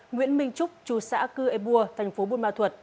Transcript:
nguyễn minh trúc trù xã cư ê bua tp buôn ma thuật